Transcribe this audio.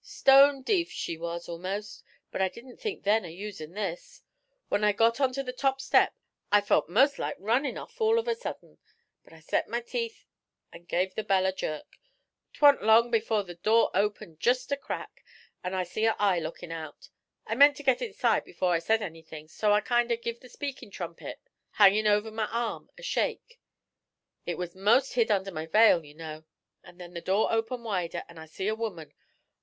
Stone deef she was, a'most, but I didn't think then o' usin' this. When I got onto the top step I felt 'most like runnin' off all of a sudden, but I set my teeth and give the bell a jerk. 'Twa'n't long before the door opened jest a crack, and I see an eye lookin' out. I meant to git inside before I said anything, so I kind o' give the speakin' trumpet, hangin' over my arm, a shake; it was 'most hid under the veil, you know; and then the door opened wider, and I see a woman.